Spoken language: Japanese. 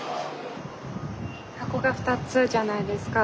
箱が２つじゃないですか。